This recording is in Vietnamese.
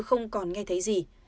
không còn nghe thấy gì